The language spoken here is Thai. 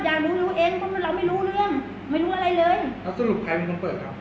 อย่ารู้อยู่เองพวกนั้นเราไม่รู้เรื่องไม่รู้อะไรเลยแล้วสรุปใครมันต้องเปิดครับ